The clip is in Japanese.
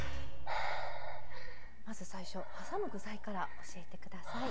まず最初はさむ具材から教えて下さい。